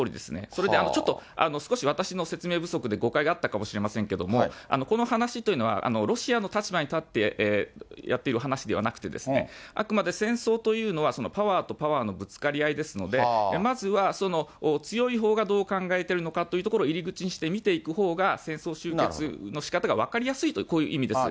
それでちょっと、少し私の説明不足で誤解があったかもしれませんけれども、この話というのは、ロシアの立場に立ってやっている話ではなくて、あくまで戦争というのは、パワーとパワーのぶつかり合いですので、まずは強いほうがどう考えてるのかというところを入り口にして見ていくほうが、戦争終結のしかたが分かりやすいと、こういう意味です。